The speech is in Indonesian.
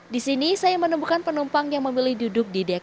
di sini saya menemukan penumpang yang memilih duduk di deklarasi